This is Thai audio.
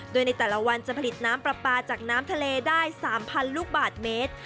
โดยในแต่ละวันจะผลิตน้ำปลาปลาจากน้ำทะเลได้๓๐๐ลูกบาทเมตร